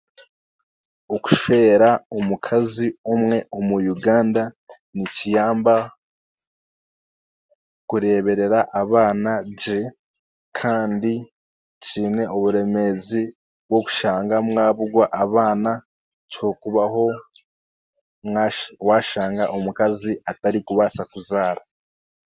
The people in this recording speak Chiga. Okushwera omukazi omwe omu Uganda nikiyamba kureeberera abaana gye kandi kiine oburemeezi bw'okushanga mwabugwa abaana ku kyokubaho mwa waashanga omukazi atarikubaasa kuzaara.